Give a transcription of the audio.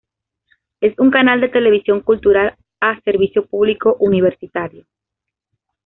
Es un canal de televisión cultural a servicio público universitario.